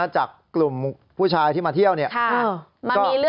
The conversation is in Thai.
จากกลุ่มผู้ชายที่มาเที่ยวเนี่ย